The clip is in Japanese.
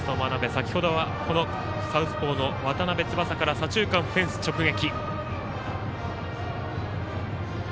先ほどはサウスポーの渡邉翼から左中間、フェンス直撃。